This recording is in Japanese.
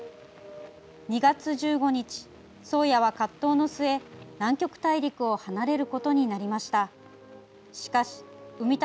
２月１５日「宗谷」は葛藤の末南極大陸を離れることになりました。